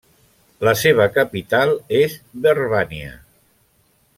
La seva capital és Verbania.